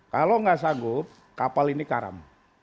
kalau nggak sanggup kapal ini karam